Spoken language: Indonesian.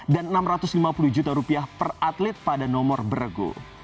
dan rp enam ratus lima puluh juta per atlet pada nomor berego